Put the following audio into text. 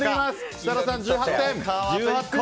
設楽さん、１８点。